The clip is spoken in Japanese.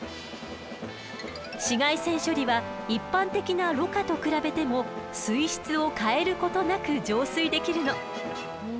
紫外線処理は一般的なろ過と比べても水質を変えることなく浄水できるの。